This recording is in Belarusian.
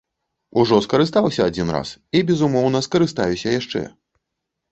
Ужо скарыстаўся адзін раз і безумоўна скарыстаюся яшчэ.